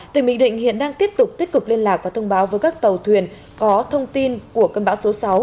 tỉnh bình định hiện đang tiếp tục tích cực liên lạc và thông báo với các tàu thuyền có thông tin của cơn bão số sáu